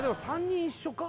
３人一緒か？